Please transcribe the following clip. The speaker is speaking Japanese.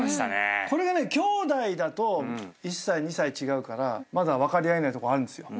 これがね兄弟だと１歳２歳違うからまだ分かり合えないとこあるんですよ。